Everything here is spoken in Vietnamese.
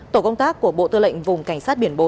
tổ công tác của bộ tư lệnh vùng cảnh sát biển bốn